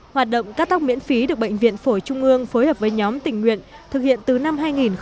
hoạt động cắt tóc miễn phí được bệnh viện phổi trung ương phối hợp với nhóm tình nguyện thực hiện từ năm hai nghìn một mươi